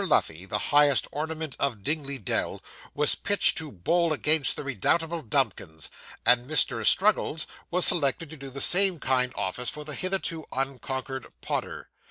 Luffey, the highest ornament of Dingley Dell, was pitched to bowl against the redoubtable Dumkins, and Mr. Struggles was selected to do the same kind office for the hitherto unconquered Podder.